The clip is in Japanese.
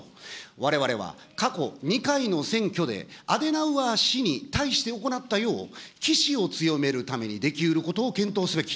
われわれは過去２回の選挙で、アデナウアー氏に対して行ったよう、岸を強めるためにできうることを検討すべき。